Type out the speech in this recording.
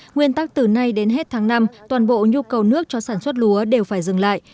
nguyên tắc từ nay đến hết tháng năm toàn bộ nhu cầu nước cho sản xuất lúa đều phải dừng lại